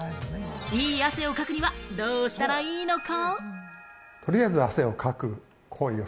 汗をかくには、どうしたらいいのか？